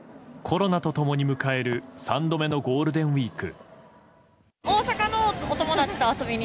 コロナと共に迎える３度目のゴールデンウィーク。